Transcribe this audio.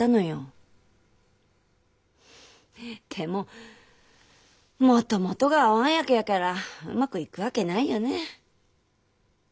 でももともとが合わんわけやからうまくいくわけないよね。